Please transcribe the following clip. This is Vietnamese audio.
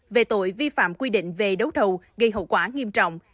về tội vi phạm quy định về đấu thầu gây hậu quả nghiêm trọng